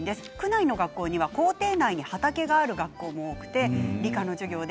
区内の校庭には校庭内に畑がある学校も多くて理科の授業で